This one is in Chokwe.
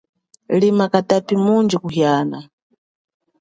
Lima katapi mundji kuhiana.